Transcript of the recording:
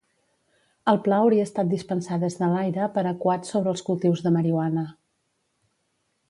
El pla hauria estat dispensar des de l'aire Paraquat sobre els cultius de marihuana.